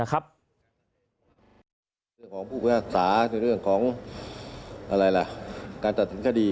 การตัดสินคดี